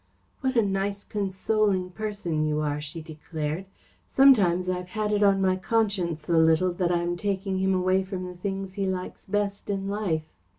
"What a nice, consoling person you are," she declared. "Sometimes I've had it on my conscience a little that I'm taking him away from the things he likes best in life."